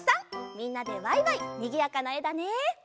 みんなでワイワイにぎやかなえだね。